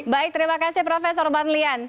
baik terima kasih prof badlian